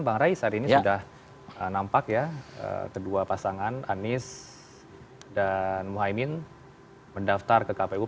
bang rai saat ini sudah nampak ya kedua pasangan anies dan muhaymin mendaftar ke kpu